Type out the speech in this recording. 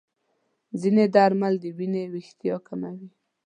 ځینې درمل د وینې وریښتیا کموي.